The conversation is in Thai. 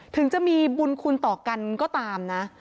ถึงจะมีบุญคุณต่อกันก็ตามนะ